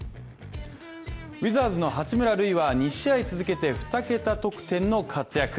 ウィザーズの八村塁は２試合続けて２桁得点の活躍。